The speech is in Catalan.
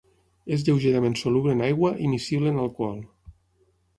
És lleugerament soluble en aigua i miscible en alcohol.